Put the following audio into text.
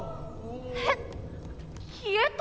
えっ消えた？